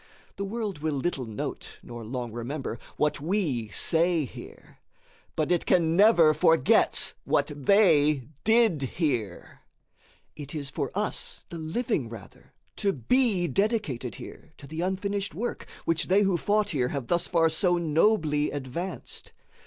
The world will little note nor long remember what we say here, but it can never forget what they did here. It is for us, the living, rather, to be dedicated here to the unfinished work which they who fought here have thus far so nobly advanced.